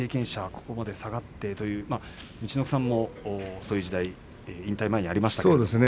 ここまで下がってという陸奥さんも、そういう時代引退前にありましたね。